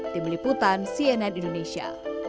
di meliputan cnn indonesia